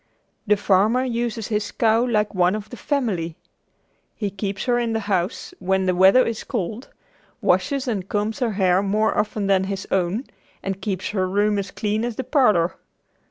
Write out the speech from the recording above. The farmer uses his cow like one of the family. He keeps her in the house when the weather is cold, washes and combs her hair more often than his own, and keeps her room as clean as the parlor.